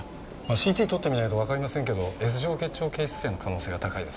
ＣＴ撮ってみないとわかりませんけどＳ状結腸憩室炎の可能性が高いです。